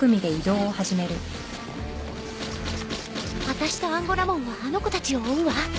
私とアンゴラモンはあの子たちを追うわ。